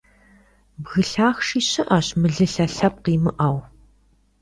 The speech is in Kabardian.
Бгы лъахъши щыӀэщ, мылылъэ лъэпкъ имыӀэу.